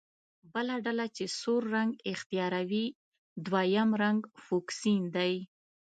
بله ډله چې سور رنګ اختیاروي دویم رنګ فوکسین دی.